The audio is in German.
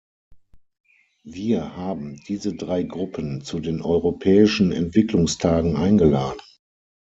Wir haben diese drei Gruppen zu den Europäischen Entwicklungstagen eingeladen.